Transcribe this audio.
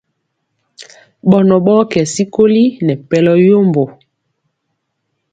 Ɓɔnɔ ɓɔɔ kɛ sikoli nɛ pɛlɔ yombo.